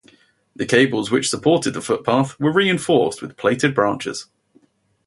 The cables which supported the foot-path were reinforced with plaited branches.